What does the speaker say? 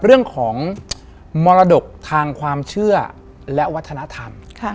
เรื่องของมรดกทางความเชื่อและวัฒนธรรม